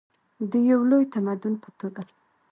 د یو لوی تمدن په توګه.